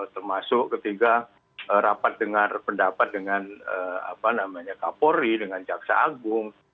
termasuk ketika rapat dengar pendapat dengan kapolri dengan jaksa agung